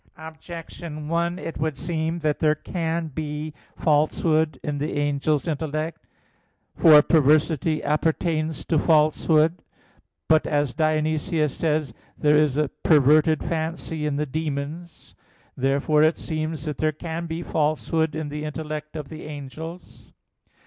Objection 1: It would seem that there can be falsehood in the angel's intellect. For perversity appertains to falsehood. But, as Dionysius says (Div. Nom. iv), there is "a perverted fancy" in the demons. Therefore it seems that there can be falsehood in the intellect of the angels.